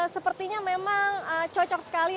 sepertinya memang cocok sekali